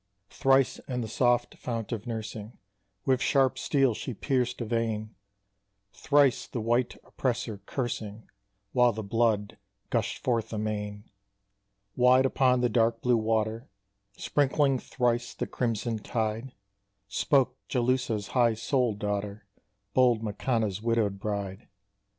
Thrice in the soft fount of nursing With sharp steel she pierced a vein, Thrice the white oppressor cursing, While the blood gushed forth amain, Wide upon the dark blue water, Sprinkling thrice the crimson tide, Spoke Jalúhsa's high souled daughter, Bold Makanna's widowed bride.